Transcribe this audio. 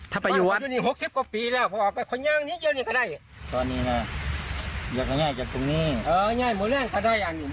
ถ้าไปอยู่วัด